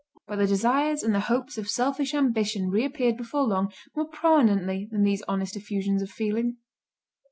But the desires and the hopes of selfish ambition reappeared before long more prominently than these honest effusions of feeling.